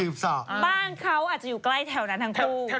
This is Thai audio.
บ้านเขาอาจจะอยู่ใกล้แถวนั้นทั้งคู่